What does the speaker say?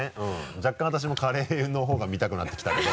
若干私もカレーの方が見たくなってきたけど。